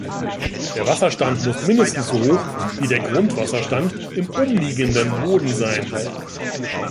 Der Wasserstand muss mindestens so hoch wie der Grundwasserstand im umliegenden Boden sein.